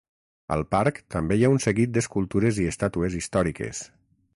Al parc, també hi ha un seguit d'escultures i estàtues històriques.